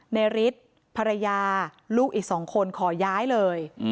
ฤทธิ์ภรรยาลูกอีก๒คนขอย้ายเลย